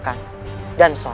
kita istirahat sejenak